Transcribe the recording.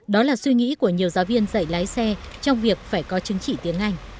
đó là suy nghĩ của nhiều giáo viên dạy lái xe trong việc phải có chứng chỉ tiếng anh